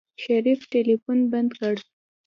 شريف ټلفون بند کړ.